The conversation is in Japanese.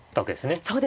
そうですよね。